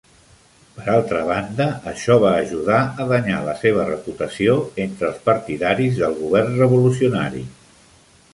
Per altra banda, això va ajudar a danyar la seva reputació entre els partidaris del govern revolucionari.